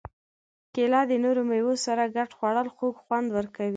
کېله د نورو مېوو سره ګډه خوړل خوږ خوند ورکوي.